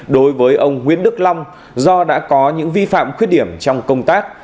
đối với ông nguyễn đức long do đã có những vi phạm khuyết điểm trong công tác